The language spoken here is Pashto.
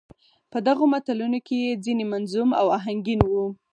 په دغو متلونو کې يې ځينې منظوم او اهنګين وو.